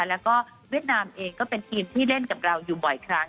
แล้วก็เวียดนามเองก็เป็นทีมที่เล่นกับเราอยู่บ่อยครั้ง